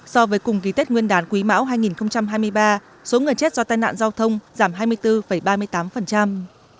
so với cùng kỳ tết nguyên đán quý mão hai nghìn hai mươi ba số người chết do tai nạn giao thông giảm hai mươi bốn ba mươi tám